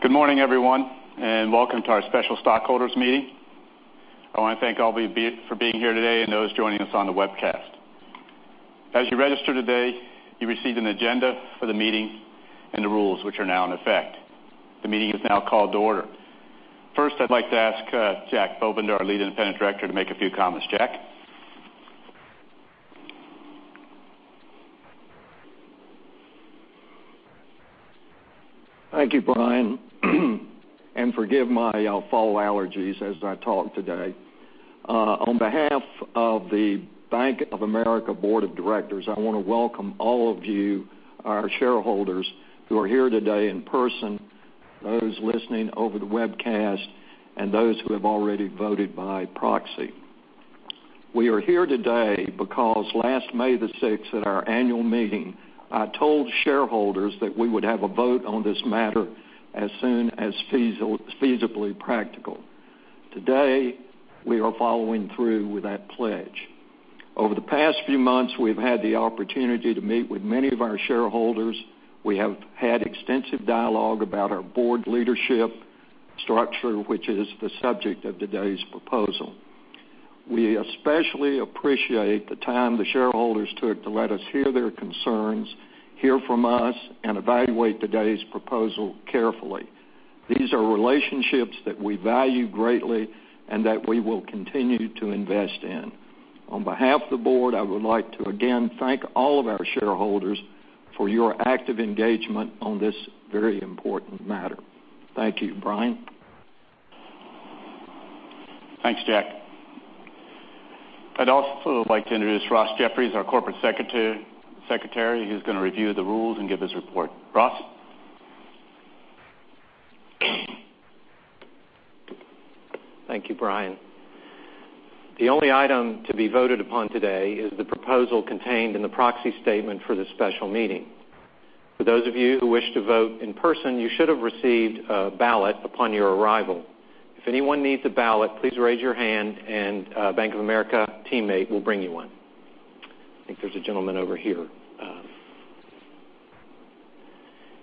Good morning, everyone, and welcome to our special stockholders meeting. I want to thank all of you for being here today and those joining us on the webcast. As you registered today, you received an agenda for the meeting and the rules, which are now in effect. The meeting is now called to order. First, I'd like to ask Jack Bovender, our Lead Independent Director, to make a few comments. Jack? Thank you, Brian. Forgive my fall allergies as I talk today. On behalf of the Bank of America Board of Directors, I want to welcome all of you, our shareholders, who are here today in person, those listening over the webcast, and those who have already voted by proxy. We are here today because last May 6th, at our annual meeting, I told shareholders that we would have a vote on this matter as soon as feasibly practical. Today, we are following through with that pledge. Over the past few months, we've had the opportunity to meet with many of our shareholders. We have had extensive dialogue about our Board leadership structure, which is the subject of today's proposal. We especially appreciate the time the shareholders took to let us hear their concerns, hear from us, and evaluate today's proposal carefully. These are relationships that we value greatly and that we will continue to invest in. On behalf of the Board, I would like to again thank all of our shareholders for your active engagement on this very important matter. Thank you. Brian? Thanks, Jack. I'd also like to introduce Ross Jeffries, our Corporate Secretary, who's going to review the rules and give his report. Ross? Thank you, Brian. The only item to be voted upon today is the proposal contained in the proxy statement for this special meeting. For those of you who wish to vote in person, you should have received a ballot upon your arrival. If anyone needs a ballot, please raise your hand and a Bank of America teammate will bring you one. I think there's a gentleman over here.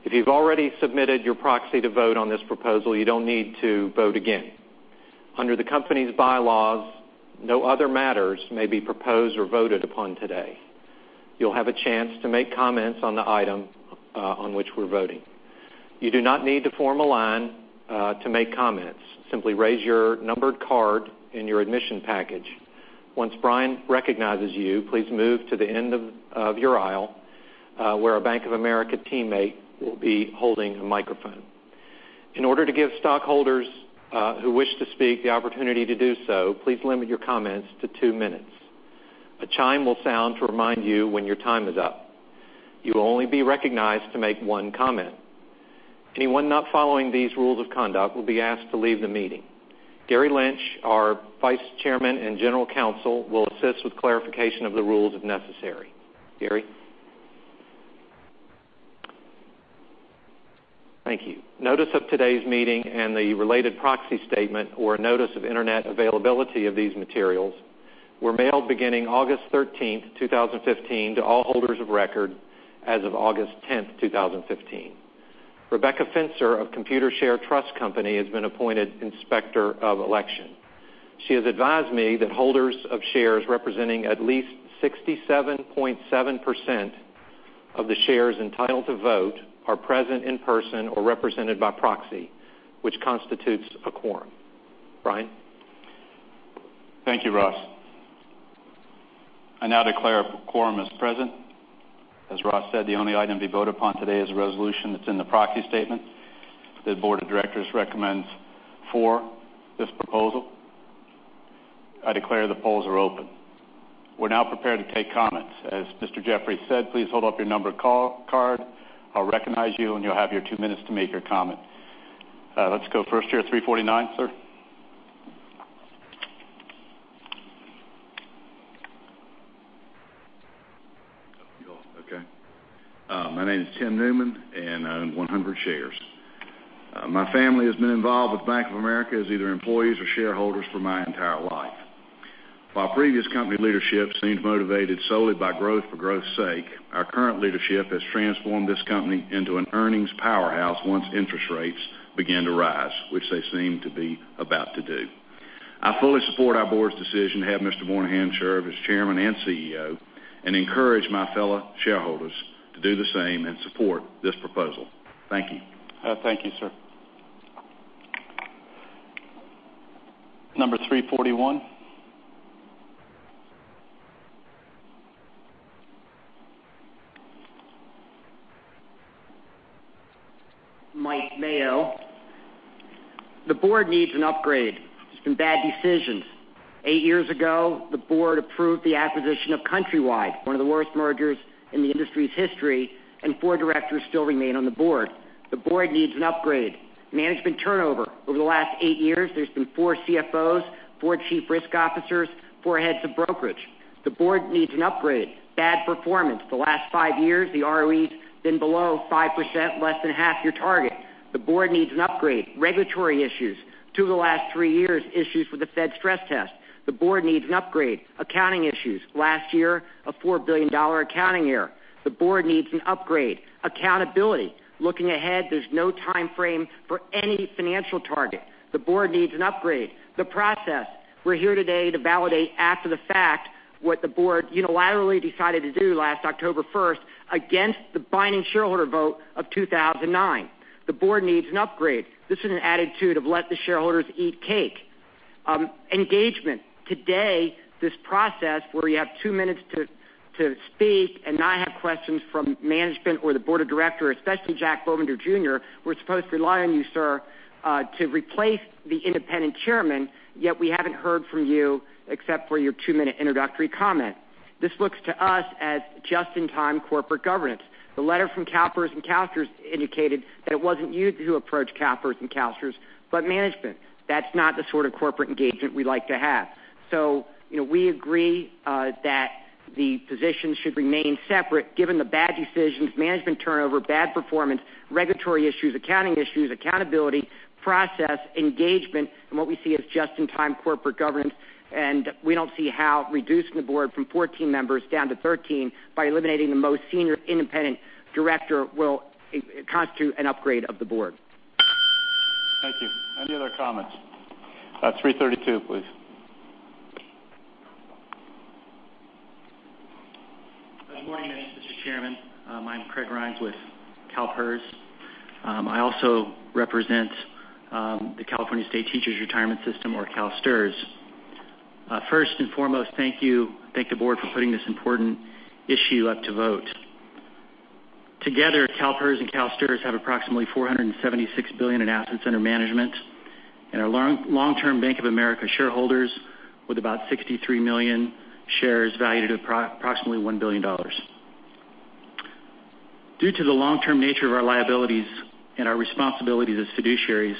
If you've already submitted your proxy to vote on this proposal, you don't need to vote again. Under the company's bylaws, no other matters may be proposed or voted upon today. You'll have a chance to make comments on the item on which we're voting. You do not need to form a line to make comments. Simply raise your numbered card in your admission package. Once Brian recognizes you, please move to the end of your aisle, where a Bank of America teammate will be holding a microphone. In order to give stockholders who wish to speak the opportunity to do so, please limit your comments to two minutes. A chime will sound to remind you when your time is up. You will only be recognized to make one comment. Anyone not following these rules of conduct will be asked to leave the meeting. Gary Lynch, our Vice Chairman and General Counsel, will assist with clarification of the rules if necessary. Gary? Thank you. Notice of today's meeting and the related proxy statement or notice of internet availability of these materials were mailed beginning August 13th, 2015, to all holders of record as of August 10th, 2015. Rebecca Finzer of Computershare Trust Company has been appointed Inspector of Election. She has advised me that holders of shares representing at least 67.7% of the shares entitled to vote are present in person or represented by proxy, which constitutes a quorum. Brian? Thank you, Ross. I now declare a quorum is present. As Ross said, the only item to be voted upon today is a resolution that's in the proxy statement that the board of directors recommends for this proposal. I declare the polls are open. We're now prepared to take comments. As Mr. Jeffries said, please hold up your numbered card. I'll recognize you, and you'll have your two minutes to make your comment. Let's go first here at 349, sir. Okay. My name is Tim Newman, and I own 100 shares. My family has been involved with Bank of America as either employees or shareholders for my entire life. While previous company leadership seemed motivated solely by growth for growth's sake, our current leadership has transformed this company into an earnings powerhouse once interest rates begin to rise, which they seem to be about to do. I fully support our board's decision to have Mr. Moynihan serve as Chairman and CEO. I encourage my fellow shareholders to do the same and support this proposal. Thank you. Thank you, sir. Number 341. Mike Mayo. The board needs an upgrade. Some bad decisions. Eight years ago, the board approved the acquisition of Countrywide, one of the worst mergers in the industry's history, and four directors still remain on the board. The board needs an upgrade. Management turnover. Over the last eight years, there's been four CFOs, four Chief Risk Officers, four heads of brokerage. The board needs an upgrade. Bad performance. The last five years, the ROE has been below 5%, less than half your target. The board needs an upgrade. Regulatory issues. Two of the last three years, issues with the Fed stress test. The board needs an upgrade. Accounting issues. Last year, a $4 billion accounting error. The board needs an upgrade. Accountability. Looking ahead, there's no time frame for any financial target. The board needs an upgrade. The process. We're here today to validate after the fact what the board unilaterally decided to do last October 1st against the binding shareholder vote of 2009. The board needs an upgrade. This is an attitude of let the shareholders eat cake. Engagement. Today, this process, where you have two minutes to speak and not have questions from management or the board of directors, especially Jack Bovender Jr., we're supposed to rely on you, sir, to replace the independent chairman, yet we haven't heard from you except for your two-minute introductory comment. This looks to us as just-in-time corporate governance. The letter from CalPERS and CalSTRS indicated that it wasn't you who approached CalPERS and CalSTRS, but management. That's not the sort of corporate engagement we like to have. We agree that the positions should remain separate, given the bad decisions, management turnover, bad performance, regulatory issues, accounting issues, accountability, process, engagement, and what we see as just-in-time corporate governance. We don't see how reducing the board from 14 members down to 13 by eliminating the most senior independent director will constitute an upgrade of the board. Thank you. Any other comments? 332, please. Good morning, Mr. Chairman. I'm Craig Rhines with CalPERS. I also represent, the California State Teachers' Retirement System, or CalSTRS. First and foremost, thank you. Thank the board for putting this important issue up to vote. Together, CalPERS and CalSTRS have approximately $476 billion in assets under management, and are long-term Bank of America shareholders with about 63 million shares valued at approximately $1 billion. Due to the long-term nature of our liabilities and our responsibilities as fiduciaries,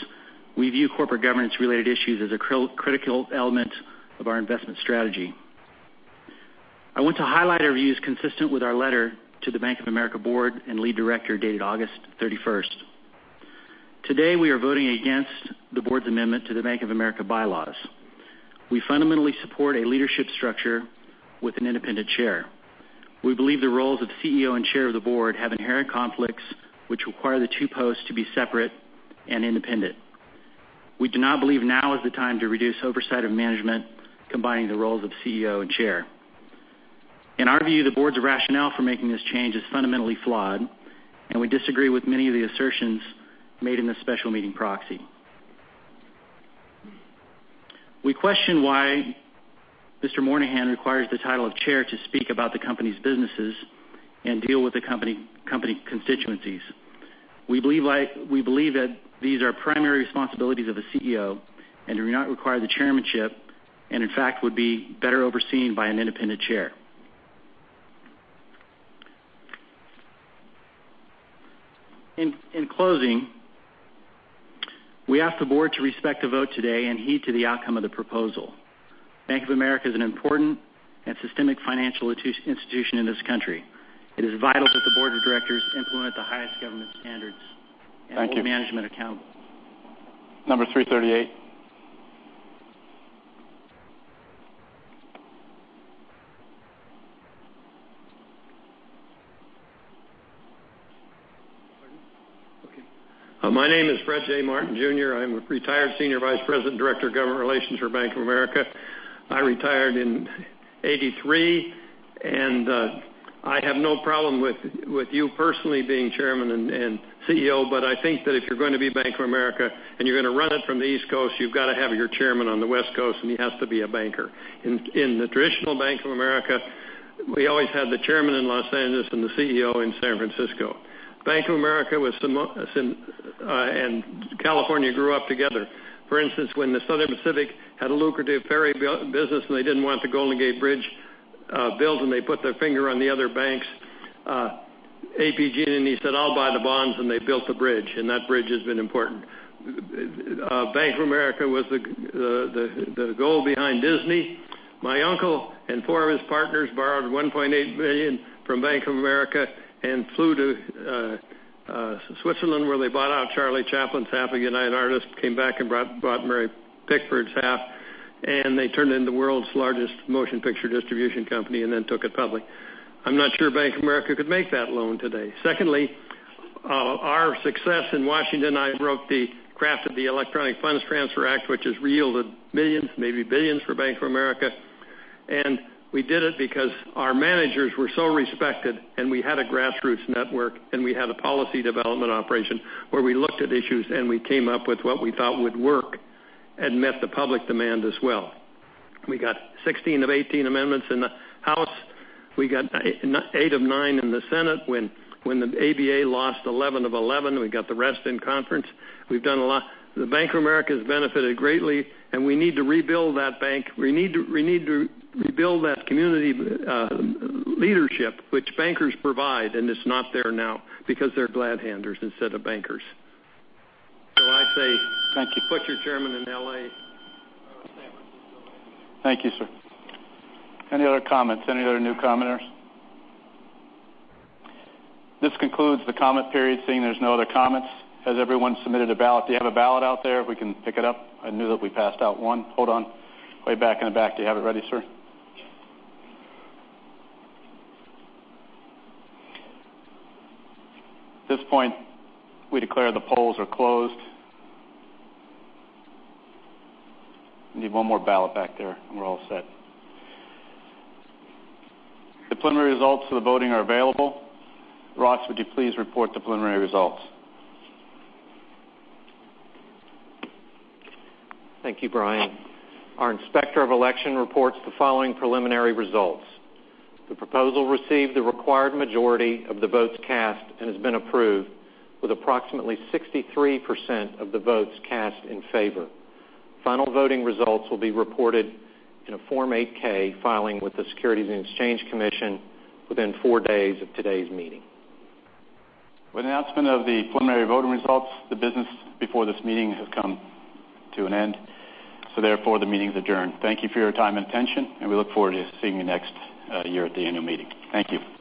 we view corporate governance-related issues as a critical element of our investment strategy. I want to highlight our views consistent with our letter to the Bank of America board and lead director, dated August 31st. Today, we are voting against the board's amendment to the Bank of America bylaws. We fundamentally support a leadership structure with an independent chair. We believe the roles of CEO and chair of the board have inherent conflicts, which require the two posts to be separate and independent. We do not believe now is the time to reduce oversight of management, combining the roles of CEO and chair. In our view, the board's rationale for making this change is fundamentally flawed, and we disagree with many of the assertions made in this special meeting proxy. We question why Mr. Moynihan requires the title of chair to speak about the company's businesses and deal with the company constituencies. We believe that these are primary responsibilities of a CEO and do not require the chairmanship, and in fact, would be better overseen by an independent chair. In closing, we ask the board to respect the vote today and heed to the outcome of the proposal. Bank of America is an important and systemic financial institution in this country. It is vital that the board of directors implement the highest government standards. Thank you Hold management accountable. Number 338. Pardon? Okay. My name is Fred J. Martin Jr. I'm a retired senior vice president, director of government relations for Bank of America. I retired in 1983. I have no problem with you personally being chairman and CEO. I think that if you're going to be Bank of America and you're going to run it from the East Coast, you've got to have your chairman on the West Coast. He has to be a banker. In the traditional Bank of America, we always had the chairman in Los Angeles and the CEO in San Francisco. Bank of America and California grew up together. When the Southern Pacific had a lucrative ferry business, they didn't want the Golden Gate Bridge built. They put their finger on the other banks, APG. Then he said, "I'll buy the bonds." They built the bridge. That bridge has been important. Bank of America was the goal behind Disney. My uncle and four of his partners borrowed $1.8 billion from Bank of America. Flew to Switzerland, where they bought out Charlie Chaplin's half of United Artists. Came back and bought Mary Pickford's half. They turned it into the world's largest motion picture distribution company. Then took it public. I'm not sure Bank of America could make that loan today. Our success in Washington, I wrote the craft of the Electronic Fund Transfer Act, which has yielded $millions, maybe $billions, for Bank of America. We did it because our managers were so respected. We had a grassroots network. We had a policy development operation where we looked at issues. We came up with what we thought would work and met the public demand as well. We got 16 of 18 amendments in the House. We got 8 of 9 in the Senate. When the ABA lost 11 of 11, we got the rest in conference. We've done a lot. The Bank of America has benefited greatly. We need to rebuild that bank. We need to rebuild that community leadership, which bankers provide. It's not there now because they're glad-handers instead of bankers. I say. Thank you. Put your chairman in L.A. or San Francisco. Thank you, sir. Any other comments? Any other new commenters? This concludes the comment period, seeing there's no other comments. Has everyone submitted a ballot? Do you have a ballot out there? We can pick it up. I knew that we passed out one. Hold on. Way back in the back. Do you have it ready, sir? At this point, we declare the polls are closed. I need one more ballot back there, and we're all set. The preliminary results of the voting are available. Ross, would you please report the preliminary results? Thank you, Brian. Our Inspector of Election reports the following preliminary results. The proposal received the required majority of the votes cast and has been approved with approximately 63% of the votes cast in favor. Final voting results will be reported in a Form 8-K filing with the Securities and Exchange Commission within four days of today's meeting. With the announcement of the preliminary voting results, the business before this meeting has come to an end. Therefore, the meeting's adjourned. Thank you for your time and attention. We look forward to seeing you next year at the annual meeting. Thank you.